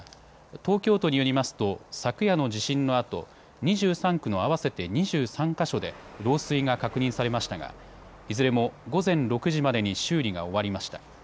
東京都によりますと昨夜の地震のあと２３区の合わせて２３か所で漏水が確認されましたがいずれも午前６時までに修理が終わりました。